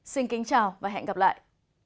xin kính chào và hẹn gặp lại